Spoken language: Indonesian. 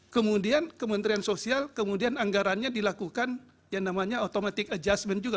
kemudian kementerian sosial kemudian anggarannya dilakukan yang namanya automatic adjustment juga